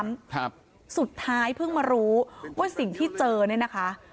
แล้วก็อะไรกับเขาด้วยซ้ำสุดท้ายเพิ่งมารู้ว่าสิ่งที่เจอเนี่ยนะคะ